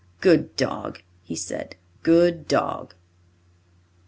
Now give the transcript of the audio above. "Good dog!" he said. "Good dog!"